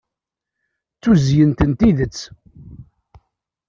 D tuzyint n tidet